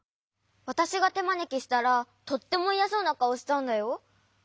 わたしがてまねきしたらとってもいやそうなかおしたんだよ。